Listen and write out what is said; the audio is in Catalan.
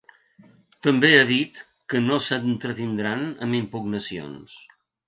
També ha dit que no s’entretindran amb impugnacions.